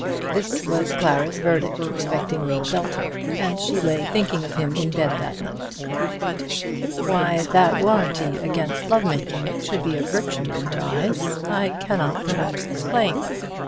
This was Clara's verdict respecting Will Belton, as she lay thinking of him in bed that night. Why that warranty against love making should be a virtue in her eyes I cannot, perhaps, explain.